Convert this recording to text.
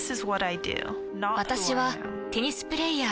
私はテニスプレイヤー。